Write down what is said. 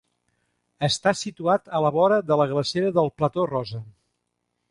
Està situat a la vora de la glacera del Plateau Rosa.